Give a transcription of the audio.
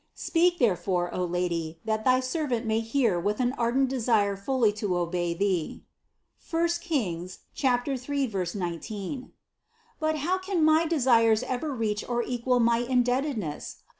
Speak therefore, O Lady, that thy servant may hear with an ardent desire fully to obey Thee (I Kings 3, 19). But how can my desires ever reach or equal my indebtedness?